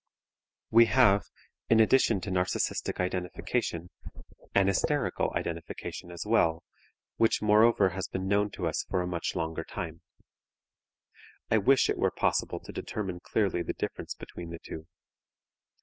We have, in addition to narcistic identification, an hysterical identification as well, which moreover has been known to us for a much longer time. I wish it were possible to determine clearly the difference between the two.